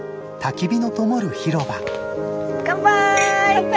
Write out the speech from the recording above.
乾杯！